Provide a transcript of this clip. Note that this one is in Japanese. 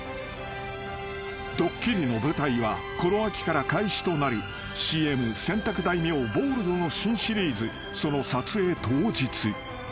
［ドッキリの舞台はこの秋から開始となるＣＭ洗濯大名ボールドの新シリーズその撮影当日］